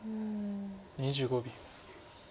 ２５秒。